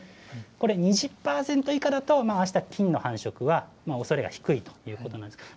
これ、２０％以下だと、ああした菌の繁殖のおそれは低いということなんです。